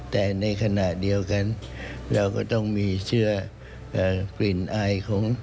แต่ในขณะเดียวกันเราก็ต้องมีเชื้อกลิ่นอายของ